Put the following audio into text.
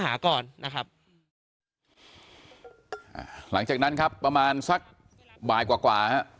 หล้างจากนั้นครับประมาณสักบายกว่ากว่า